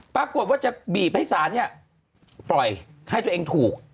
ปรากฏว่าจะบีบให้ศาลเนี่ยปล่อยให้ตัวเองถูก